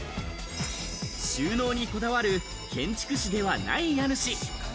収納にこだわり、建築士ではない家主。